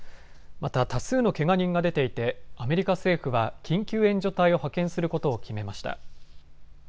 また多数のけが人が出ていてアメリカ政府は緊急援助隊を派遣することを決めました。